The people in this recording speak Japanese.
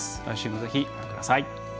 来週も、ぜひご覧ください。